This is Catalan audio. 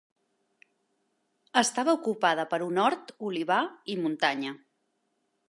Estava ocupada per un hort, olivar i muntanya.